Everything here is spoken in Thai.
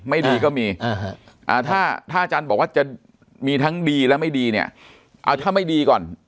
เอาถ้าไม่ดีก่อน